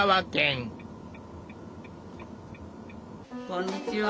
こんにちは。